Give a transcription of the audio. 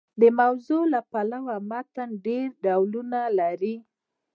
د موضوع له پلوه متن ډېر ډولونه لري.